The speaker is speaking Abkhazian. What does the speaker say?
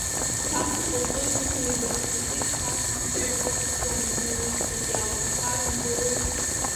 Цас иҟоуҵоит, усами, Баӷь-цымкьыкь, цас, мамзар уара уԥсӡом, егьумыхьӡеит, иаауҭаххар умгылои.